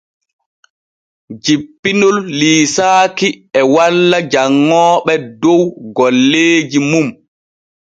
Jippinol liisaaki e walla janŋooɓe dow golleeji mum.